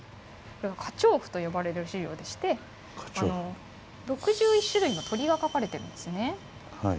華鳥譜と呼ばれる資料でして６１種類の鳥が描かれてるんですね。